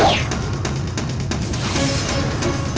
aku akan menangkanmu